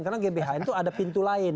karena gbhn itu ada pintu lain